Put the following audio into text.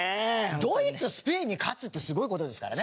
ドイツスペインに勝つってすごい事ですからね。